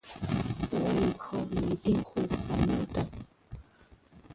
我以后一定会还你的